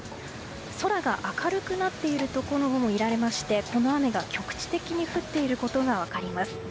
空が明るくなっているところも見られましてこの雨が局地的に降っていることが分かります。